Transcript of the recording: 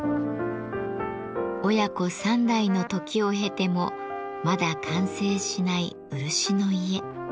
親子３代の時を経てもまだ完成しない漆の家。